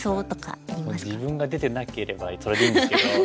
自分が出てなければそれでいいんですけど。